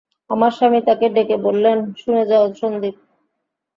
আমার স্বামী তাকে ডেকে বললেন, শুনে যাও, সন্দীপ।